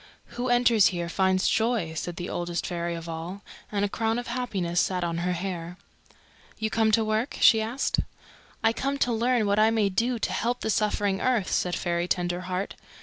"Who enters here finds joy," said the Oldest Fairy of All, and a crown of happiness sat on her hair. "You come to work?" she asked. "I come to learn what I may do to help the suffering earth," said Fairy Tenderheart.